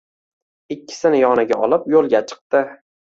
Ikkisini yoniga olib yo'lga chiqdi.